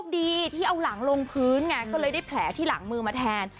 ดีที่เอาหลังลงพื้นไงก็เลยได้แผลที่หลังมือมาแทน